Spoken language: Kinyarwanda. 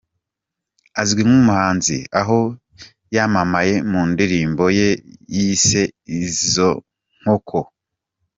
Azwi nk’umuhanzi aho yamamaye mu ndirimbo yise ‘Izo nkoko’.